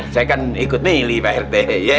saya kan ikut nih pak rt